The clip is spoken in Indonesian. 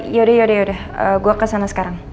yaudah yaudah gue kesana sekarang